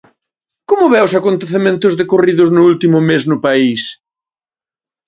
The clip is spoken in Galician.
Como ve os acontecementos decorridos no último mes no país?